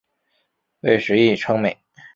为时议称美。